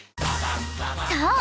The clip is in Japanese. ［そう。